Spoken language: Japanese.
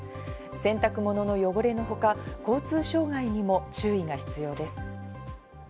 洗濯物の汚れのほか、交通障害にも注意が必要です。